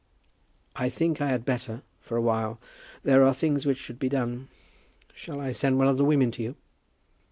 "I think I had better, for a while. There are things which should be done. Shall I send one of the women to you?"